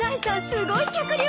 すごい脚力！